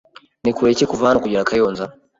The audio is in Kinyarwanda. Ni kure ki kuva hano kugera Kayonza?